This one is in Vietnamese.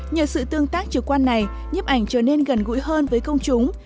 nhờ sự tương tác trực quan này nhiếp ảnh trở nên gần gũi hơn với công chúng